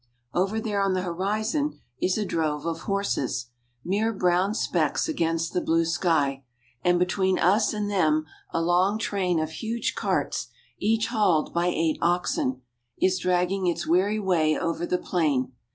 Over there on the horizon is a drove of horses, mere brown specks against the blue sky, and between us and them a long train of huge carts, each hauled by eight oxen, is dragging its weary way over the plain.